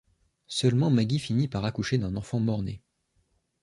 Seulement Maggie finit par accoucher d'un enfant mort-né.